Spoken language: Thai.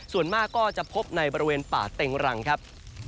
ส่วนมากก็จะพบในบริเวณป่าเต็งรังครับ